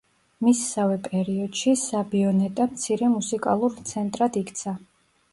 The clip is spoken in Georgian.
მისსავე პერიოდში, საბიონეტა მცირე მუსიკალურ ცენტრად იქცა.